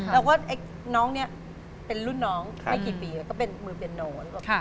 แล้วก็น้องเนี่ยเป็นรุ่นน้องไม่กี่ปีแล้วก็เป็นมือเป็นโน้น